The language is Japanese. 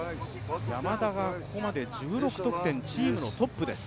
山田がここまで１６得点チームのトップです。